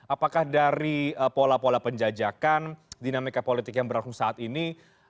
apakah dari pola pola penjajakan dinamika politik yang berlangsung saat ini